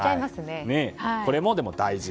これも大事。